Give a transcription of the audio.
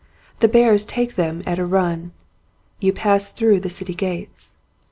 The bearers take them at a run. You pass through the city gates.